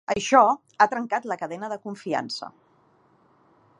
“Això ha trencat la cadena de confiança”.